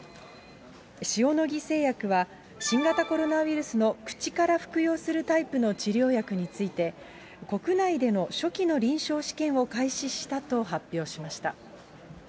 塩野義製薬は、新型コロナウイルスの口から服用するタイプの治療薬について、国内での初期の臨床試験を開始したと発表しました。